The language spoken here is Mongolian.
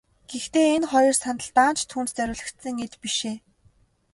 Гэхдээ энэ хоёр сандал даанч түүнд зориулагдсан эд биш ээ.